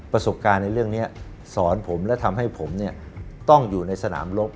ประสบการณ์ในเรื่องนี้สอนผมและทำให้ผมต้องอยู่ในสนามรบ